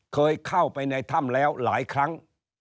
เคยเข้าไปในถ้ำแล้วหลายครั้ง